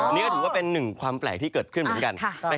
นี่ก็ถือว่าเป็นหนึ่งความแปลกที่เกิดขึ้นเหมือนกัน